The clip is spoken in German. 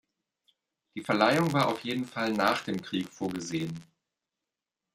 Die Verleihung war auf jeden Fall nach dem Krieg vorgesehen.